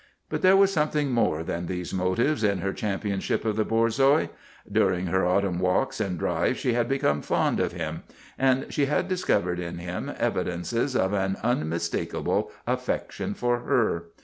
But there was something more than these motives in her championship of the Borzoi. During her autumn walks and drives she had become fond of him, and she had discovered in him evidences of an unmistakable affection for her.